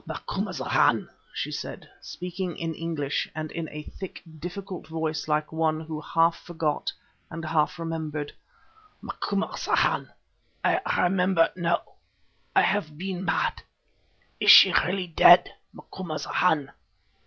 "Macumazahn," she said, speaking in English and in a thick difficult voice like one who half forgot and half remembered—"Macumazahn, I remember now. I have been mad. Is she really dead, Macumazahn?"